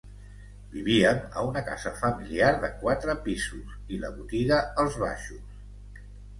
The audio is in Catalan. Vivíem a una casa familiar de quatre pisos i la botiga als baixos.